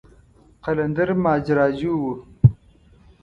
قلندر ماجراجو و.